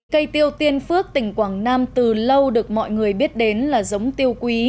cây tiêu tiên phước tỉnh quảng nam từ lâu được mọi người biết đến là giống tiêu quý